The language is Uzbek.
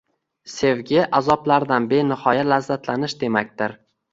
Sevgi azoblardan benihoya lazzatlanish demakdir.